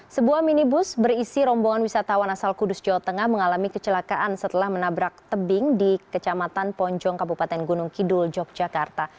sebuah minibus berisi rombongan wisatawan asal kudus jawa tengah mengalami kecelakaan setelah menabrak tebing di kecamatan ponjong kabupaten gunung kidul yogyakarta